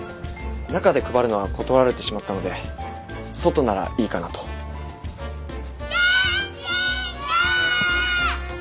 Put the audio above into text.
中で配るのは断られてしまったので外ならいいかなと。けんちんくん！